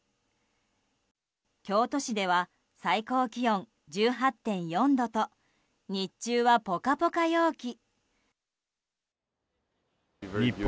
京都市では最高気温１８．４度と日中はポカポカ陽気。